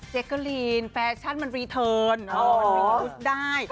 เจ๊กรีนแฟชั่นมันรีเทิร์นอ๋อได้